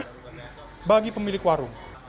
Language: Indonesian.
bagi pemilik warung perubahan warung itu juga tidak terjadi